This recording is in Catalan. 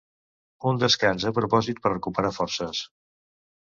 Un descans a propòsit per recuperar forces.